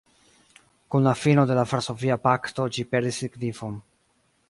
Kun la fino de la Varsovia pakto ĝi perdis signifon.